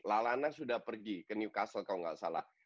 lalana sudah pergi ke newcastle kalau nggak salah